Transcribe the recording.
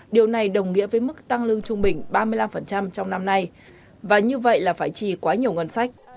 năm nay đồng nghĩa với mức tăng lương trung bình ba mươi năm trong năm nay và như vậy là phải chỉ quá nhiều ngân sách